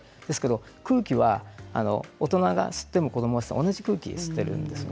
空気は大人が吸っても子どもが吸っても同じ空気を吸っています。